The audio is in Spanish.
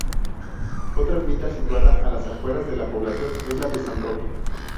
Otra ermita, situada a las afueras de la población, es la de San Roque.